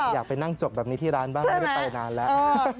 อยากไปนั่งจบแบบนี้ที่ร้านบ้างไม่ได้ไปนานแล้ว